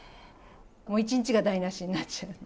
もう一日が台なしになっちゃうんで。